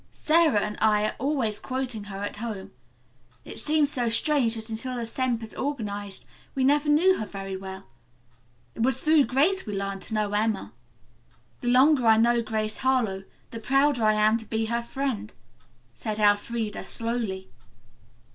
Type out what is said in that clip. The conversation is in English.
"Sara and I are always quoting her at home. It seems so strange that until the Sempers organized we never knew her very well. It was through Grace we learned to know Emma." "The longer I know Grace Harlowe the prouder I am to be her friend," said Elfreda slowly.